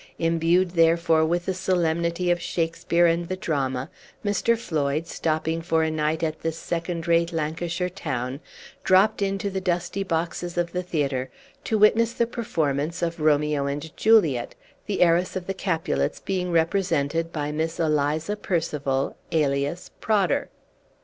Imbued, therefore, with the solemnity of Shakespeare and the drama, Mr. Floyd, stopping for a night at this second rate Lancashire town, dropped into the dusty boxes of the theatre to witness the performance of Romeo and Juliet the heiress of the Capulets being represented by Miss Eliza Percival, alias Prodder.